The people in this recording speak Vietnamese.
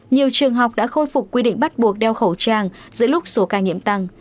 nhiều trường học đã khôi phục quy định bắt buộc đeo khẩu trang giữa lúc số ca nhiễm tăng